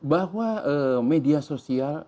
bahwa media sosial